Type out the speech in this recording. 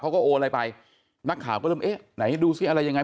โอนอะไรไปนักข่าวก็เริ่มเอ๊ะไหนดูซิอะไรยังไง